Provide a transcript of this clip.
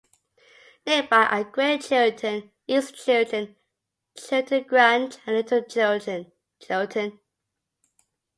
Nearby are Great Chilton, East Chilton, Chilton Grange and Little Chilton.